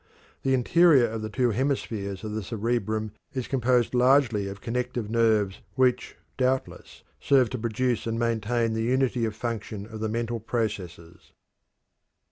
The interior of the two hemispheres of the cerebrum is composed largely of connective nerves which doubtless serve to produce and maintain the unity of function of the mental processes.